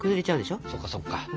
そうか。